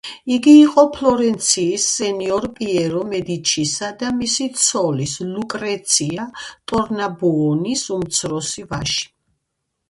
იგი იყო ფლორენციის სენიორ პიერო მედიჩისა და მისი ცოლის, ლუკრეცია ტორნაბუონის უმცროსი ვაჟი.